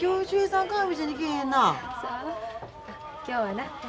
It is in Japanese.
今日はな